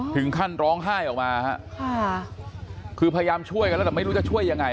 ถึงขั้นร้องไห้ออกมาฮะค่ะคือพยายามช่วยกันแล้วแต่ไม่รู้จะช่วยยังไง